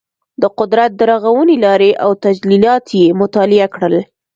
د قدرت د رغونې لارې او تجلیات یې مطالعه کړل.